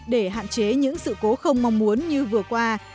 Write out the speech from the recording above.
để hạn chế những sự cố không mong muốn như vừa qua